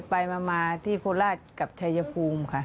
ไปมาที่โคราชกับชายภูมิค่ะ